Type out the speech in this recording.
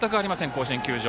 甲子園球場。